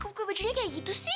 glenn kok bajunya kayak gitu sih